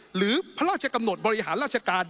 หรือพระราชกำหนดบริหารราชการ